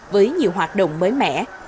với nhiều hoạt động mới mẻ